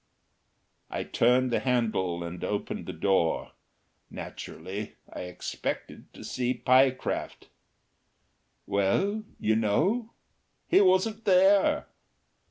I turned the handle and opened the door. Naturally I expected to see Pyecraft. Well, you know, he wasn't there!